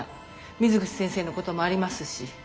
水口先生のこともありますし。